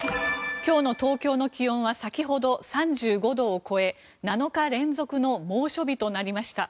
今日の東京の気温は先ほど３５度を超え７日連続の猛暑日となりました。